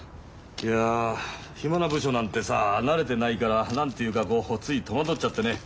いや暇な部署なんてさ慣れてないから何て言うかこうつい戸惑っちゃってね。